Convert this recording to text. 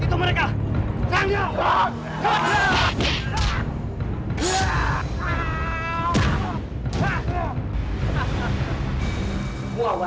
kita harus cari cara yang tepat terhadap nyai